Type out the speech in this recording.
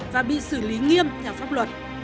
và bị xử lý nghiêm theo pháp luật